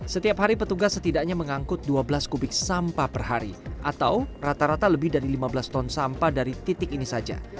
setiap hari petugas setidaknya mengangkut dua belas kubik sampah per hari atau rata rata lebih dari lima belas ton sampah dari titik ini saja